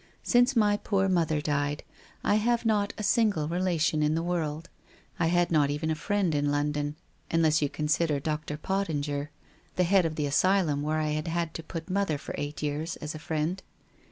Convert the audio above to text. Since my poor mother died, I have not a single relation in the world. I had not even a friend in London, unless you consider Dr. Pottinger, the head of the asylum where I had had to put mother for eight years, as a friend.